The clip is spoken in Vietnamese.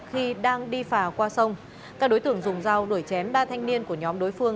khi đang đi phà qua sông các đối tượng dùng dao đuổi chém ba thanh niên của nhóm đối phương